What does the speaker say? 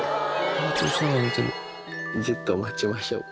もうちょっと待ちましょうか。